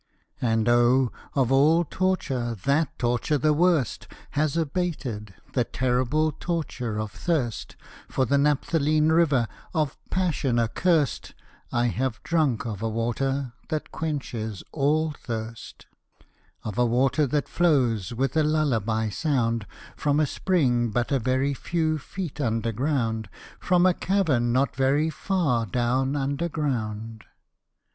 And oh! of all torture That torture the worst Has abated the terrible Torture of thirst For the naphthaline river Of Passion accurst: I have drunk of a water That quenches all thirst: Of a water that flows, With a lullaby sound, From a spring but a very few Feet under ground From a cavern not very far Down under ground.